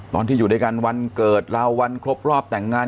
อยู่ด้วยกันวันเกิดเราวันครบรอบแต่งงาน